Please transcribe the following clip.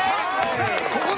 ここだ！